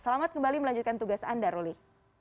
selamat kembali melanjutkan tugas anda ruli